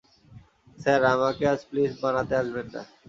Sir, আমাকে আজ please মানাতে আসবেন না।